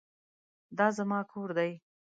دا زما کور دی